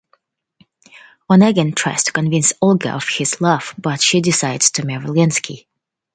Onegin tries to convince Olga of his love, but she decides to marry Lensky.